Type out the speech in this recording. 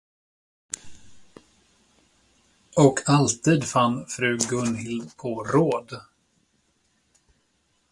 Och alltid fann fru Gunhild på råd.